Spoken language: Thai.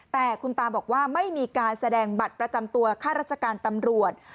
แต่คุณตาบอกว่าไม่มีการแสดงบัตรประจำตัวข้าราชการตำรวจ